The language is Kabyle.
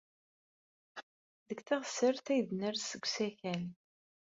Deg teɣsert ay d-ners seg usakal.